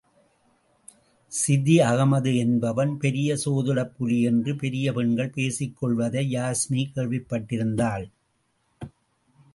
சிதி அகமது என்பவன் பெரிய சோதிடப்புலி என்று பெரிய பெண்கள் பேசிக் கொள்வதை யாஸ்மி கேள்விப்பட்டிருந்தாள்.